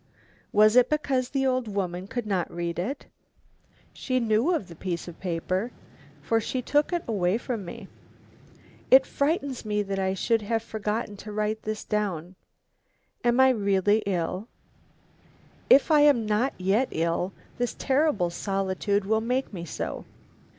Was it because the old woman could not read it? She knew of the piece of paper, for she took it away from me. It frightens me that I should have forgotten to write this down. Am I really ill? If I am not yet ill, this terrible solitude will make me so.